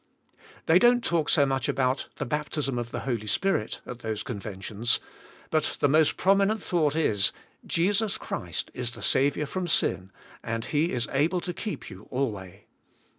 They don't talk so much about the baptism of the Holy Spirit at those con ventions, but the most prominent thought is, Jesus Christ is the Saviour from sin and He is able to keep you alway.